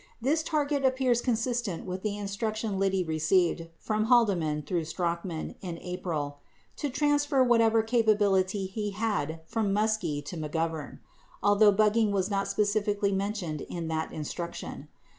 19 This target appears consistent with the instruction Liddy received from Haldeman through Strachan in April "to transfer whatever capability he had from Muskie to McGovern," although bugging was not specifically mentioned in that instruction.